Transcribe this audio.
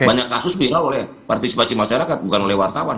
banyak kasus viral oleh partisipasi masyarakat bukan oleh wartawan